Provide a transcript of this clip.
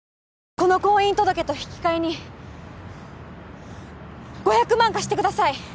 この婚姻届と引き換えに５００万貸してください